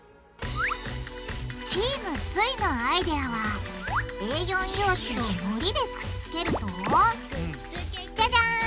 チームすイのアイデアはＡ４用紙をのりでくっつけるとじゃじゃん！